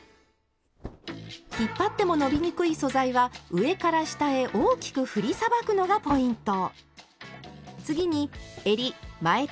引っ張っても伸びにくい素材は上から下へ大きく振りさばくのがポイント。